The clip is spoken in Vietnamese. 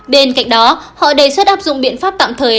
bên cạnh đó họ đề xuất áp dụng biện pháp tạm thời